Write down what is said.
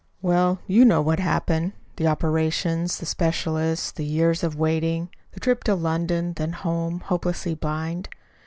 "Well, you know what happened the operations, the specialists, the years of waiting, the trip to London, then home, hopelessly blind.